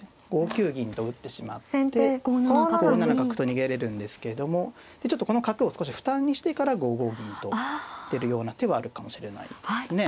５九銀と打ってしまって５七角と逃げれるんですけれどもちょっとこの角を少し負担にしてから５五銀と出るような手はあるかもしれないですね。